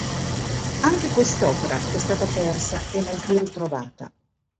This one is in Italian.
Anche quest'opera è stata persa e mai più ritrovata.